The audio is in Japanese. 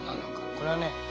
これはね